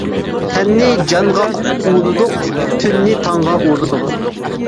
تەننى جانغا ئۇلىدۇق، تۈننى تاڭغا ئۇلىدۇق.